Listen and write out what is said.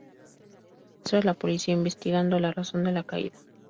Se muestra a la policía investigando la razón de la caída.